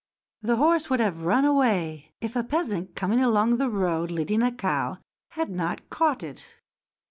The horse would have run away if a peasant coming along the road leading a cow, had not caught it.